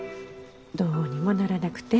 どうにもならなくて。